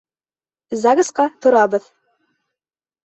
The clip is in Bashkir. ЗАГС-ҡа торабыҙ!